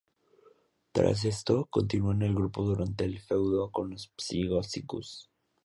Tras esto, continuó en el grupo durante el feudo con Los Psycho Circus.